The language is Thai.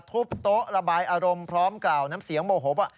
ทุบโต๊ะระบายอารมณ์พร้อมกล่าวน้ำเสียงโมโหว่า